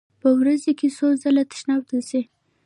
په ورځ کې څو ځله تشناب ته ځئ؟